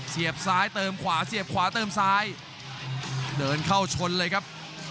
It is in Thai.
เสียบซ้ายเติมขวาเสียบขวาเติมซ้ายเดินเข้าชนเลยครับ